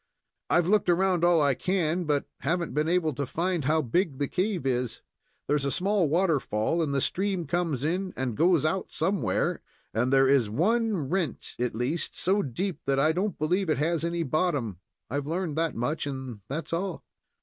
I've looked around all I can, but haven't been able to find how big the cave is. There's a small waterfall, and the stream comes in and goes out somewhere, and there is one rent, at least, so deep that I don't believe it has any bottom. I've learned that much, and that's all."